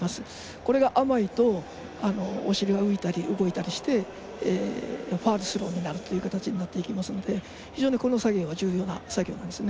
これが甘いとお尻が浮いたり動いたりして、ファールスローになるという形になっていきますので非常にこの作業が重要な作業なんですね。